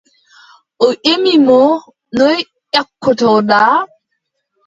O ƴemi mo: noy ƴakkortoɗa ?